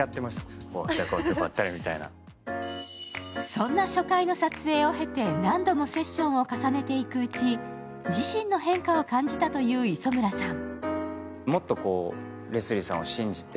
そんな初回の撮影を経て何度もセッションを重ねていくうち自身の変化を感じたという磯村さん。